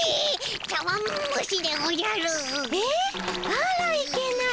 あらいけない。